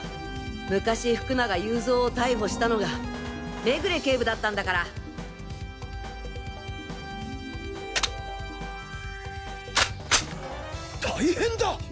昔福永祐三を逮捕したのが目暮警部だったんだから。大変だ！